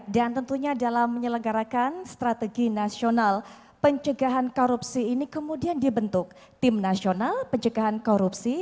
dan tentunya dalam menyelenggarakan strategi nasional pencegahan korupsi ini kemudian dibentuk tim nasional pencegahan korupsi